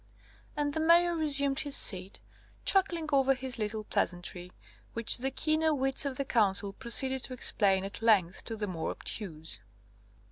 And the Mayor resumed his seat, chuckling over his little pleasantry, which the keener wits of the Council proceeded to explain at length to the more obtuse.